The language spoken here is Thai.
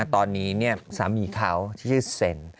ตอนนี้สามีเขาที่ชื่อเซ็น